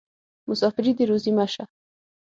مسافري دې روزي مه شه.